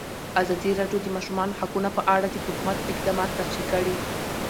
ازادي راډیو د د ماشومانو حقونه په اړه د حکومت اقدامات تشریح کړي.